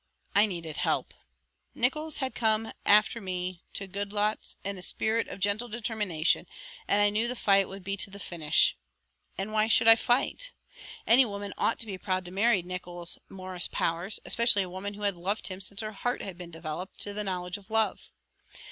I needed help. Nickols had come after me to Goodloets in a spirit of gentle determination and I knew the fight would be to the finish. And why should I fight? Any woman ought to be proud to marry Nickols Morris Powers, especially a woman who had loved him since her heart had been developed to the knowledge of love.